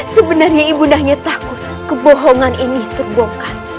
sebenarnya ibu nda hanya takut kebohongan ini terbuka